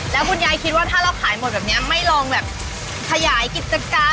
แล้วคุณยายคิดว่าถ้าเราขายหมดแบบนี้ไม่ลองแบบขยายกิจการ